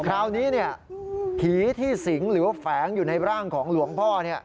คราวนี้ผีที่สิงหรือว่าแฝงอยู่ในร่างของหลวงพ่อ